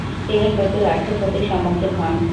তিনি প্রচুর আর্থিক ক্ষতির সম্মুখীন হন।